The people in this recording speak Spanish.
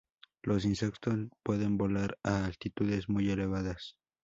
Los insectos pueden volar a altitudes muy elevadas.